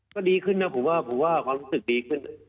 ก็ดีขึ้นนะผมว่าผมว่าความรู้สึกดีขึ้น